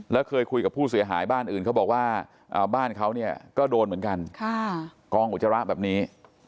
แล้วเคยคุยกับผู้เสียหายบ้านอื่นเขาบอกว่าบ้านเขาเนี่ยก็โดนเหมือนกันกองอุจจาระแบบนี้